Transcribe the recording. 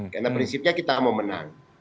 karena prinsipnya kita mau menang